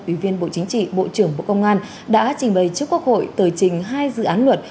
ủy viên bộ chính trị bộ trưởng bộ công an đã trình bày trước quốc hội tờ trình hai dự án luật